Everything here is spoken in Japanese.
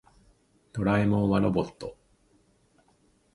ドラえもんはロボット。